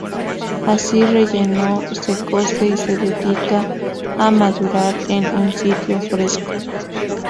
Así relleno, se cose y se dedica a madurar en un sitio fresco.